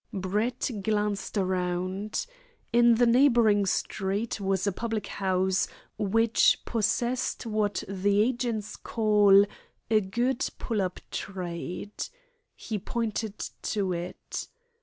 Brett glanced around. In the neighbouring street was a public house, which possessed what the agents call "a good pull up trade." He pointed to it.